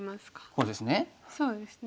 こうですね。